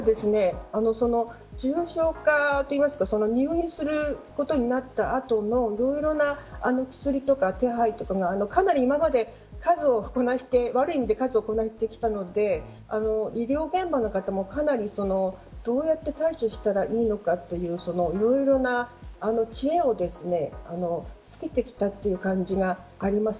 何か重症化というか入院することになった後のいろいろな薬とか手配とかがかなり今まで数をこなして悪い意味で数をこなしてきたので医療現場の方もどうやって対処したらいいのかといういろいろな知恵を付けてきたという感じがあります。